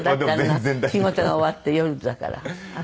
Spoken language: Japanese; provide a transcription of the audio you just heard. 仕事が終わって夜だから。